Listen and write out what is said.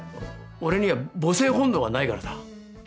俺には母性本能がないからだ。